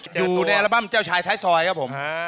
อยู่ในอัลบั้มเจ้าชายท้ายซอยครับผม